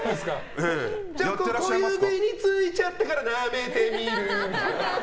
小指についちゃってからなめてみるみたいな。